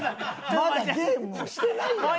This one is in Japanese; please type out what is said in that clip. まだゲームしてないやろ！